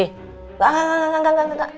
enggak enggak enggak enggak enggak enggak